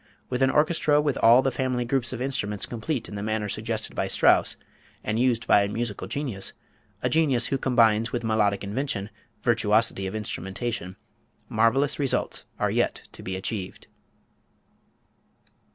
With an orchestra with all the family groups of instruments complete in the manner suggested by Strauss, and used by a musical genius, a genius who combines with melodic invention virtuosity of instrumentation, marvellous results are yet to be achieved.